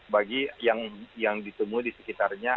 bagi yang ditemui di sekitarnya